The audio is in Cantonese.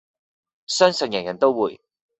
相信人人都會